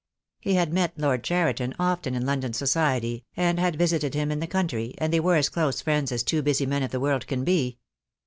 He had met Lord Cheriton often in London society, and had visited him in the country, and they were as close friends as two busy men of the world can be.